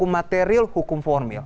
material hukum formil